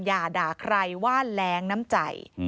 อย่าด่าใครว่าแรงน้ำใจ